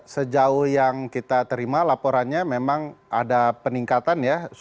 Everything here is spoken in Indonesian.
sejauh yang kita terima laporannya memang ada peningkatan ya